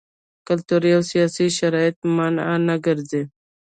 کلتوري او سیاسي شرایط مانع نه ګرځي.